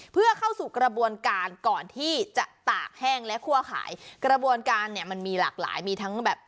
เพื่อเข้าสู่กระบวนการก่อนที่จะตากแห้งและคั่วขายกระบวนการเนี่ยมันมีหลากหลายมีทั้งแบบ